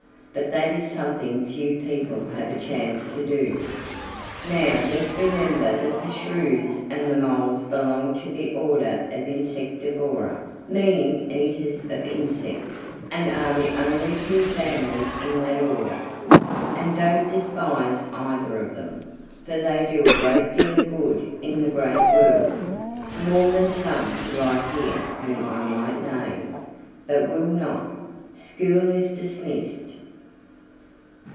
But that is something few people have a chance to do. "Now just remember that the Shrews and the Moles belong to the order of Insectivora, meaning eaters of insects, and are the only two families in that order. And don't despise either of them, for they do a great deal of good in the Great World, more than some right here whom I might name, but will not. School is dismissed."